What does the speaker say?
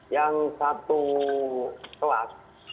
yang satu telat